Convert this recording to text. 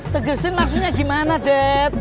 tegesin maksudnya gimana dad